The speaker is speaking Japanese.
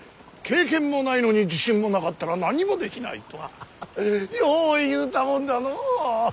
「経験もないのに自信もなかったら何もできない」とはよう言うたもんだのう。